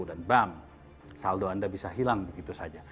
dan bam saldo anda bisa hilang begitu saja